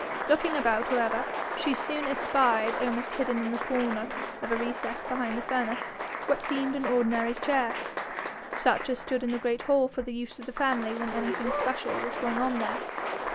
Looking about, however, she soon espied, almost hidden in the corner of a recess behind the furnace, what seemed an ordinary chair, such as stood in the great hall for the use of the family when anything special was going on there.